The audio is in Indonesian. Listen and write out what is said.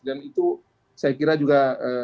dan itu saya kira juga